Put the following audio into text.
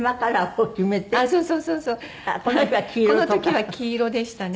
この時は黄色でしたね。